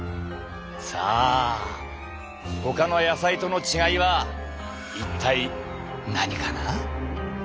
さあほかの野菜との違いは一体何かな？